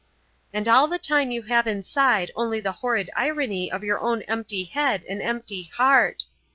And all the time you have inside only the horrid irony of your own empty head and empty heart.